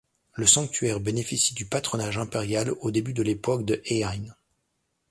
Le sanctuaire bénéficie du patronage impérial au début de l'époque de Heian.